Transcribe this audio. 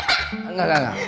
enggak enggak enggak